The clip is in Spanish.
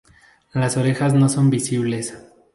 Las orejas no son visibles.